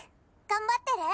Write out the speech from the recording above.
「頑張ってる？」。